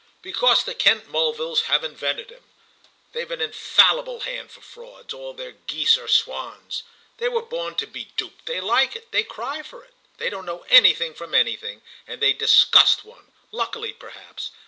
"Because the Kent Mulvilles have invented him. They've an infallible hand for frauds. All their geese are swans. They were born to be duped, they like it, they cry for it, they don't know anything from anything, and they disgust one—luckily perhaps!